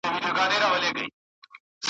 خامکي غاړه نه لرم نوې خولۍ نه لرم ,